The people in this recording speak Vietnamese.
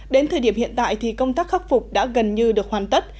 đến thời điểm hiện tại thì công tác khắc phục đã gần như được hoàn tất